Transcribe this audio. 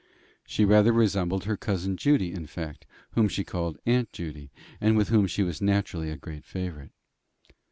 She rather resembled her cousin Judy, in fact whom she called Aunt Judy, and with whom she was naturally a great favourite.